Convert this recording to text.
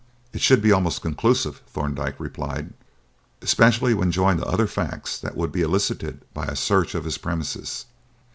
"It should be almost conclusive," Thorndyke replied, "especially when joined to other facts that would be elicited by a search of his premises.